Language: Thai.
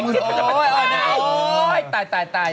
โอ๊ยตาย